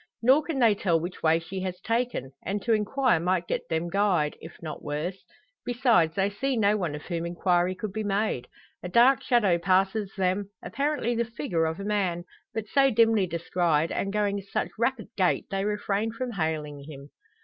Nor can they tell which way she has taken; and to inquire might get them "guyed," if not worse. Besides, they see no one of whom inquiry could be made. A dark shadow passes them, apparently the figure of a man; but so dimly descried, and going in such rapid gait, they refrain from hailing him.